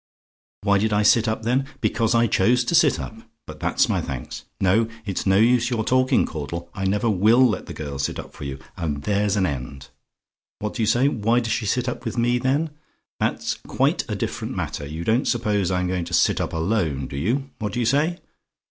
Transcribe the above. "WHY DID I SIT UP, THEN? "Because I chose to sit up but that's my thanks. No, it's no use your talking, Caudle; I never WILL let the girl sit up for you, and there's an end. What do you say? "WHY DOES SHE SIT UP WITH ME, THEN? "That's quite a different matter: you don't suppose I'm going to sit up alone, do you? What do you say?